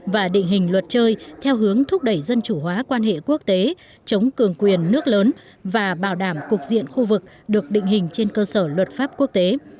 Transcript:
và định hình luật chơi theo hướng thúc đẩy dân chủ hóa quan hệ quốc tế chống cường quyền nước lớn và bảo đảm cục diện khu vực được định hình trên cơ sở luật pháp quốc tế